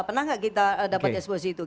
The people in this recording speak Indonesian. pernah gak kita dapat expose itu